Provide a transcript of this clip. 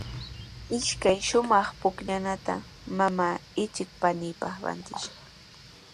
Ishkay shumaq pukllanata mamaa ichik paniipaq rantishqa.